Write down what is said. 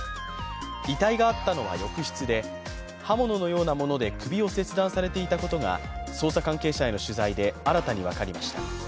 遺体があったのは浴室で刃物のようなもので首を切断されていたことが捜査関係者への取材で新たに分かりました。